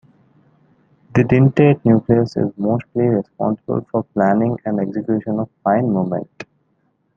The dentate nucleus is mostly responsible for planning and execution of fine movement.